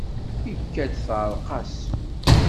Ikad-d teεreq-as.